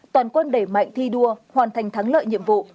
toàn quân đẩy mạnh thi đua hoàn thành thắng lợi nhiệm vụ